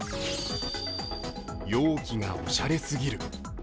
容器がおしゃれすぎる。